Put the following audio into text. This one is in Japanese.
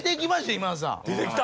今田さん。出てきた。